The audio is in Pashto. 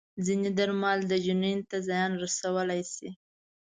ځینې درمل د جنین ته زیان رسولی شي.